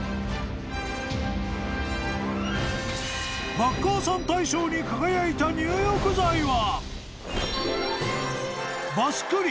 ［バッカーさん大賞に輝いた入浴剤は］